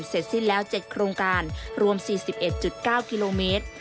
เสร็จสิ้นแล้ว๗โครงการรวม๔๑๙กิโลเมตร